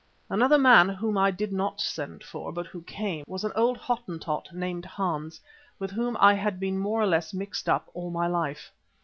Another man whom I did not send for, but who came, was an old Hottentot named Hans, with whom I had been more or less mixed up all my life.